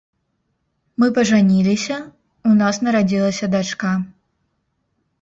Мы пажаніліся, у нас нарадзілася дачка.